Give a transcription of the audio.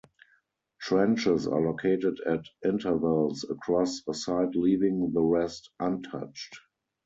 Trenches are located at intervals across a site leaving the rest untouched.